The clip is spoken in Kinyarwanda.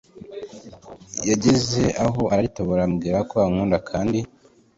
yageze aho araritobora ambwira ko ankunda kandi